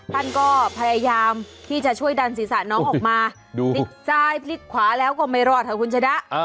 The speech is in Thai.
ท่านก็พยายามที่จะช่วยดันศีรษะน้องออกมาดูติดใจพลิกขวาแล้วกว่าไม่รอดของคุณชะดะอ่า